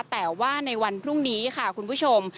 แต่ว่าในวันพรุ่งนี้ค่ะคุณผู้ชม